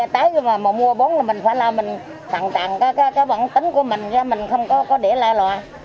tính của mình là mình không có đĩa lai loa